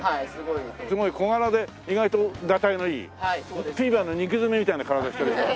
すごい小柄で意外とガタイのいいピーマンの肉詰めみたいな体してる人。